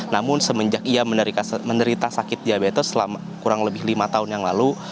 namun semenjak ia menderita sakit diabetes selama kurang lebih lima tahun yang lalu